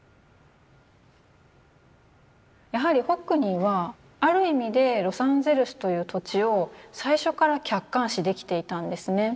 やはりホックニーはある意味でロサンゼルスという土地を最初から客観視できていたんですね。